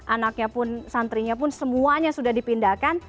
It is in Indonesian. anaknya pun santrinya pun semuanya sudah dipindahkan